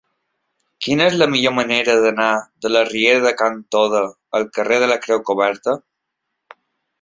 Quina és la millor manera d'anar de la riera de Can Toda al carrer de la Creu Coberta?